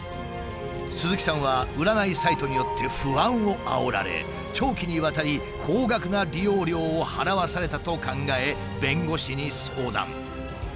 鈴木さんは占いサイトによって不安をあおられ長期にわたり高額な利用料を払わされたと考え弁護士に相談。